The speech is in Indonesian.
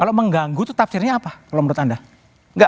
kalau mengganggu itu tafsirnya apa kalau menurut anda